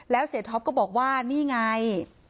แล้วเสียท็อปก็บอกว่านี่ไง